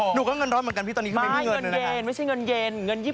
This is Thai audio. หนูก็เงินร้อนเหมือนกันพี่ตอนนี้ก็ไม่มีเงินเลยนะฮะ